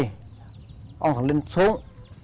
ông thằng linh xuống